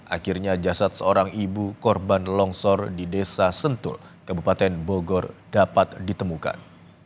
akhirnya jasad seorang ibu korban longsor di desa sentul kabupaten bogor dapat ditemukan